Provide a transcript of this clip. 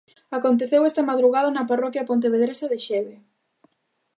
Aconteceu esta madrugada na parroquia pontevedresa de Xeve.